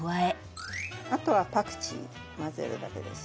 あとはパクチー混ぜるだけです。